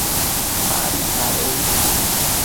Abi tsadebi